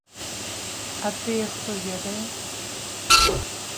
А тыя, хто ведае?